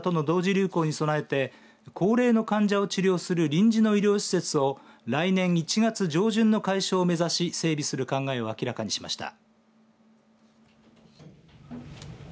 流行に備えて高齢の患者を治療する臨時の医療施設を来年１月上旬の開始を目指し整備する考えを明らかにしました。